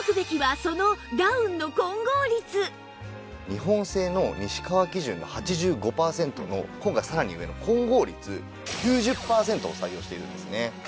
日本製の西川基準の８５パーセントの今回さらに上の混合率９０パーセントを採用しているんですね。